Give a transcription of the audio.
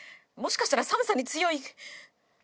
もしかしたら寒さに強い。